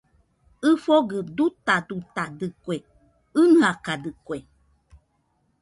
ɨfogɨ dutadutadɨkue, ɨnɨakadɨkue